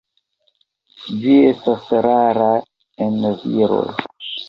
Ĝi estas rara en viroj.